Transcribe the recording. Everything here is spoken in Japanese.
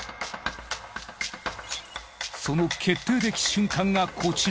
その決定的瞬間がこちら。